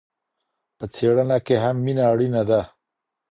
په څېړنه کي هم مینه اړینه ده.